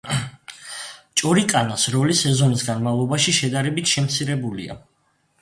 ჭორიკანას როლი სეზონის განმავლობაში შედარებით შემცირებულია.